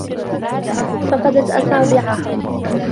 فقدت أعصابها.